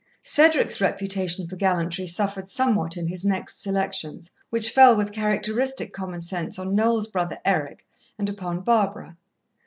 Cedric's reputation for gallantry suffered somewhat in his next selections, which fell with characteristic common sense on Noel's brother Eric, and upon Barbara.